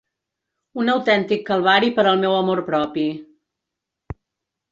Un autèntic calvari per al meu amor propi.